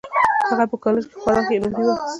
هغه په کالج کې خورا ښې نومرې واخيستې